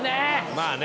まあね。